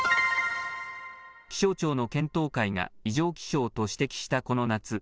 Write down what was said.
気象庁の検討会が異常気象と指摘したこの夏。